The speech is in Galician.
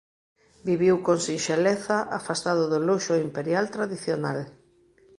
Viviu con sinxeleza afastado do luxo imperial tradicional.